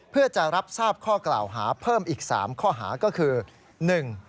เพื่อจะรับทราบข้อกล่าวหาเพิ่มอีกสามข้อหาก็คือหนึ่ง